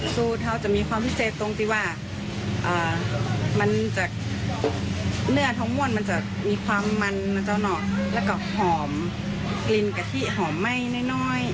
สูตรเขาจะมีความพิเศษตรงที่ว่าเนื้อทั้งหมวนมันจะมีความมันแล้วก็หอมกลิ่นกะทิหอมไหม้น้อย